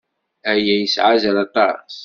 Aya yesɛa azal aṭas.